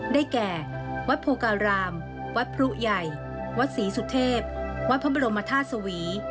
ได้แก่วัดโพการามวัดพรุใหญ่วัดศรีสุเทพวัดพระบรมธาตุสวี